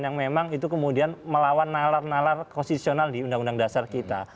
yang memang itu kemudian melawan nalar nalar konstitusional di undang undang dasar kita